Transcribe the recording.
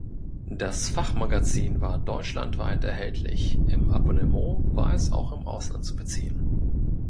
Das Fachmagazin war deutschlandweit erhältlich, im Abonnement war es auch im Ausland zu beziehen.